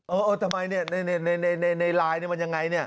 เออทำไมเนี่ยในไลน์นี่มันยังไงเนี่ย